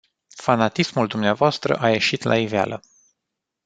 Fanatismul dvs. a ieșit la iveală.